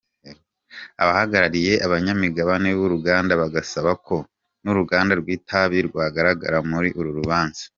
Abahagarariye abanyamigabane b’uruganda bagasaba ko n’uruganda rw’itabi rwagaragara muri uru rubanza.